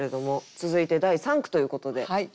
続いて第三句ということではい。